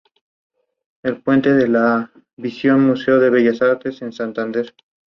Su explosiva y poderosa carrera, además de su tamaño, son sus activos más mortales.